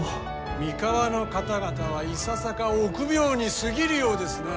三河の方々はいささか臆病に過ぎるようですなあ。